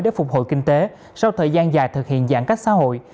để phục hồi kinh tế sau thời gian dài thực hiện giãn cách xã hội